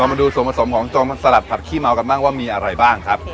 มาดูส่วนผสมของโจรมันสลัดผักขี้เมากันบ้างว่ามีอะไรบ้างครับ